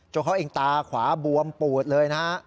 เขาเองตาขวาบวมปูดเลยนะฮะ